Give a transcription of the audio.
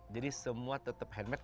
jadi semua tetap handmade